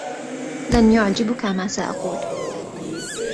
لن يعجبك ما سأقول.